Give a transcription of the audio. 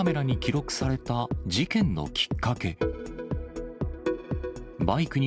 コンビニの防犯カメラに記録された事件のきっかけ。